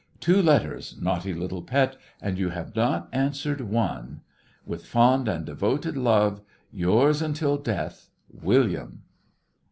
Two letters, naughty little pet, and you have not answered one. "With fond and devoted love, "Yours, until death, "William."